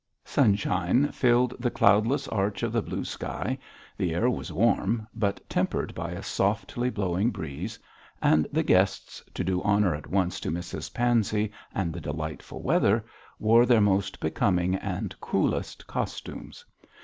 Sunshine filled the cloudless arch of the blue sky; the air was warm, but tempered by a softly blowing breeze; and the guests, to do honour at once to Mrs Pansey and the delightful weather, wore their most becoming and coolest costumes.